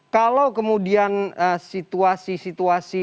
kalau kemudian situasi situasi